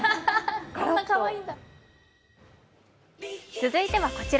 続いてはこちら。